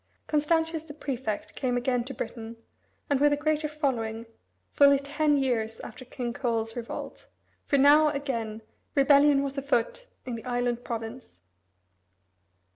Constantius the prefect came again to Britain, and with a greater following, fully ten years after King Coel's revolt, for now, again, rebellion was afoot in the island province.